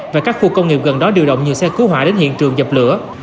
và các khu công nghiệp gần đó điều động nhiều xe cứu hỏa đến hiện trường dập lửa